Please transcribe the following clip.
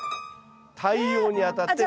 太陽に当たって。